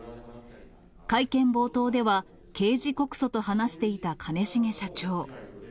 会見冒頭では、刑事告訴と話していた兼重社長。